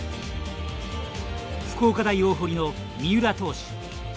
福岡大大濠の三浦投手。